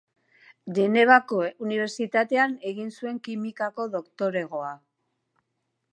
Genevako Unibertsitatean egin zuen kimikako doktoregoa.